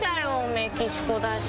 メキシコだし。